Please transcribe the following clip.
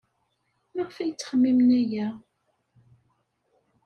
Maɣef ay ttxemmimen aya?